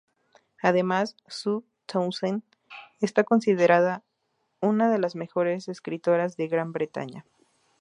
Además Sue Townsend está considerada una de las mejores escritoras de Gran Bretaña.